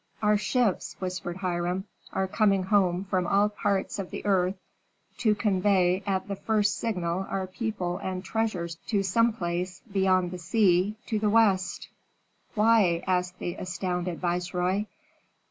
"Our ships," whispered Hiram, "are coming home from all parts of the earth to convey at the first signal our people and treasures to some place beyond the sea to the west." "Why?" asked the astounded viceroy.